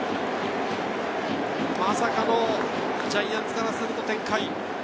まさかのジャイアンツからすると展開。